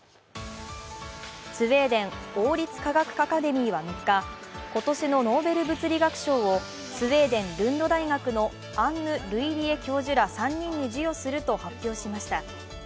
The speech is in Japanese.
スウェーデン王立科学アカデミーは３日、今年のノーベル物理学賞をスウェーデン・ルンド大学のアンヌ・ルイリエ教授ら３人に授与すると発表しました。